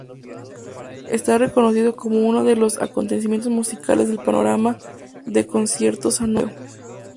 Está reconocido como uno de los acontecimientos musicales del panorama de conciertos anual europeo.